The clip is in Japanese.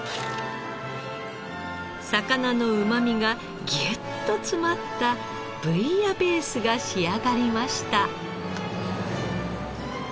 魚のうまみがギュッと詰まったブイヤベースが仕上がりました。